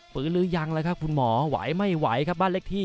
ฟื้นหรือยังแล้วกับขุมหมอไหวไม่ไหวครับบ้านเล็กที่